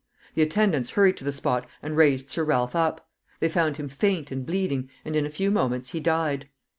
The attendants hurried to the spot and raised Sir Ralph up. They found him faint and bleeding, and in a few moments he died.